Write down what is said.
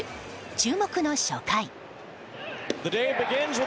注目の初回。